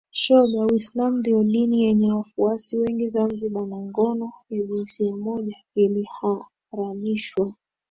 shoga Uislam ndio dini yenye wafuasi wengi Zanzibar na ngono ya jinsia moja iliharamishwa